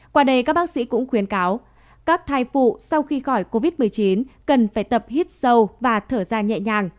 qua đây các bác sĩ cũng khuyến cáo các thai phụ sau khi khỏi covid một mươi chín cần phải tập hít sâu và thở ra nhẹ nhàng